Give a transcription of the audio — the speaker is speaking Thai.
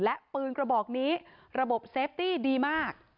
และปืนกระบอกนี้ระบบเซฟตี้ดีมาก